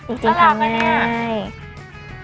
อีดีทำง่ายสละหาก่อนีหล่ะ